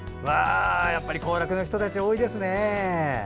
やっぱり行楽の人たち多いですね。